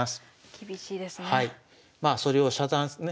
厳しいですね。